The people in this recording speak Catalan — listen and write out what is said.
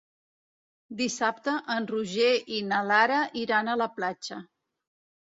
Dissabte en Roger i na Lara iran a la platja.